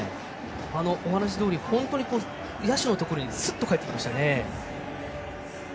本当に野手のところにすっと返ってきましたね。